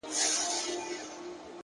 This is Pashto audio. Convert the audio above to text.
زه بې له تا گراني ژوند څه كومه”